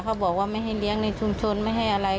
เขาบอกว่าไม่ให้เลี้ยงในชุมชนไม่ให้อะไร